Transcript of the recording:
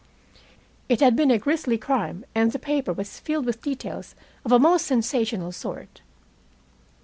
It had been a grisly crime, and the paper was filled with details of a most sensational sort.